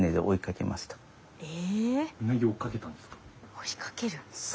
追いかける？